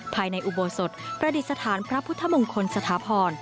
ภายในอุโบสถประดิษฐานพระพุทธมงคลสถาพร